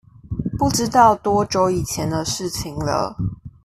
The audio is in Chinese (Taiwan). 不知道多久以前的事情了